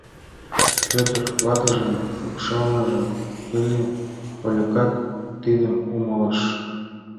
Пӧтыр ватыжым шупшалнеже ыле, Олюкат тидым умылыш.